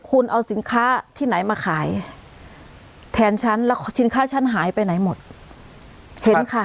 คุณเอาสินค้าที่ไหนมาขายแทนฉันแล้วสินค้าฉันหายไปไหนหมดเห็นค่ะ